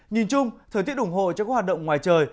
nhìn chung thời tiết ủng hộ cho các hoạt động ngoài trời